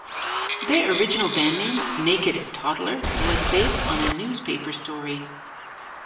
Their original band name, "Naked Toddler," was based on a newspaper story.